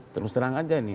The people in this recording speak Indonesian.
terus terang aja nih